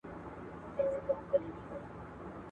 او که ځنګله ته را کوز شوی د غره باز